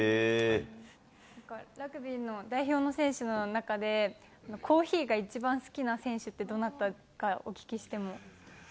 ラグビーの代表の選手の中で、コーヒーが一番好きな選手ってどなたかお聞きしても。